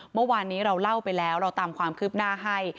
เมื่อวานนี้เราเล่าไปแล้วเราตามความคืบหน้าให้